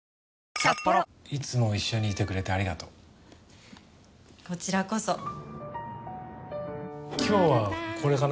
いつも一緒にいてくれてありがとうこちらこそ今日はこれかな